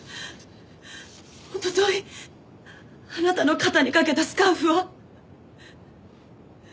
おとといあなたの肩に掛けたスカーフは？